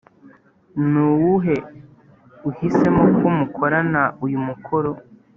ni uwuhe uhisemo ko mukorana uyu mukoro’